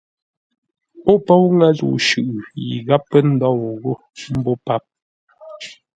Ó póu ŋə́ zə̂u shʉʼʉ yi gháp pə́ ndôu ghô mbô páp.